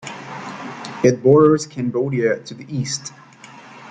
It borders Cambodia to the east.